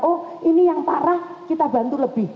oh ini yang parah kita bantu lebih